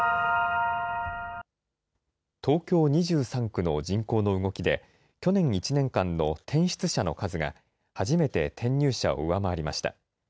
東京２３区の人口の動きで去年１年間の転出者の数が初めて転入者を上回りました。